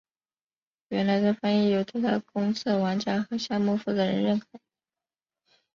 原先的翻译有得到公测玩家和项目负责人认可。